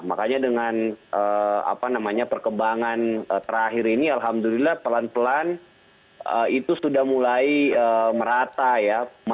makanya dengan perkembangan terakhir ini alhamdulillah pelan pelan itu sudah mulai merata ya